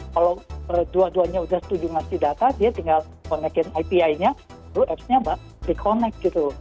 kalau dua duanya sudah setuju menghasilkan data dia tinggal connect in api nya lalu apps nya di connect gitu